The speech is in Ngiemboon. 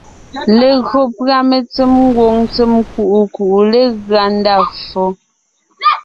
Legÿo pʉ̀a mentsém ngwòŋ ntsèm kuʼu kuʼu legʉa ndá ffo.